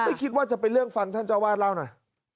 ไม่คิดว่าจะเป็นเรื่องฟังท่านเจ้าวาดเล่าหน่อย